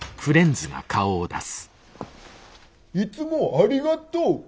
いつもありがとう。